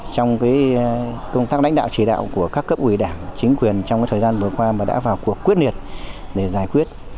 trong công tác lãnh đạo chỉ đạo của các cấp ủy đảng chính quyền trong thời gian vừa qua mà đã vào cuộc quyết liệt để giải quyết